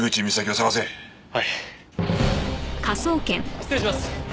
失礼します。